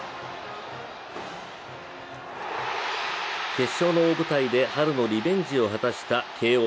決勝の大舞台で春のリベンジを果たした慶応。